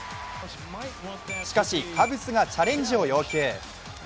しかしカブスがチャレンジを要求。